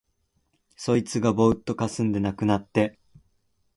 そいつがぼうっとかすんで無くなって、